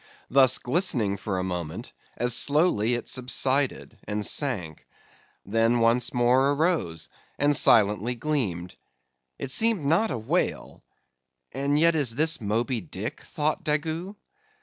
Thus glistening for a moment, as slowly it subsided, and sank. Then once more arose, and silently gleamed. It seemed not a whale; and yet is this Moby Dick? thought Daggoo.